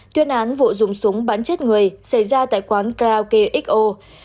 tuyên án vụ dùng súng bắn chết người xảy ra tại quán karaoke xo